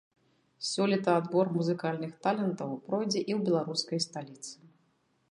Сёлета адбор музыкальных талентаў пройдзе і ў беларускай сталіцы.